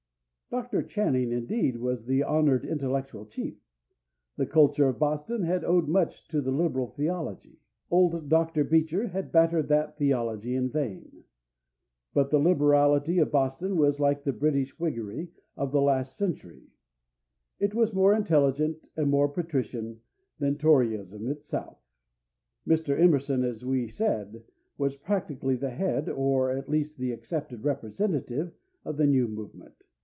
Dr. Channing, indeed, was the honored intellectual chief; the culture of Boston had owed much to the liberal theology; old Dr. Beecher had battered that theology in vain; but the liberality of Boston was like the British Whiggery of the last century: it was more intelligent and more patrician than Toryism itself. Mr. Emerson, as we said, was practically the head or, at least, the accepted representative of the new movement.